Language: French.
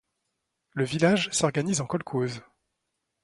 Le village s'organise en kolkhoze.